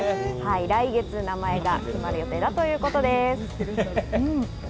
来月、名前が決まる予定だということです。